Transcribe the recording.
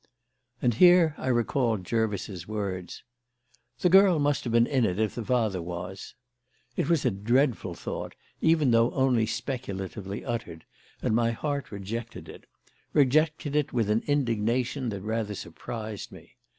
And here I recalled Jervis's words: "The girl must have been in it if the father was." It was a dreadful thought, even though only speculatively uttered, and my heart rejected it; rejected it with an indignation that rather surprised me.